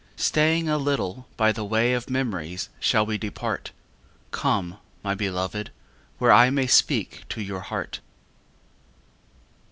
Staying a little by the way Of memories shall we depart. Come, my beloved, where I may Speak to your heart.